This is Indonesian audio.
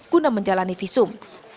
guna menjalani visum